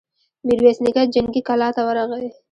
ميرويس نيکه جنګي کلا ته ورغی.